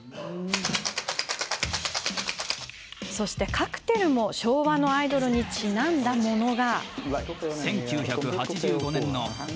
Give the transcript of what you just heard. カクテルも昭和のアイドルにちなんだものが。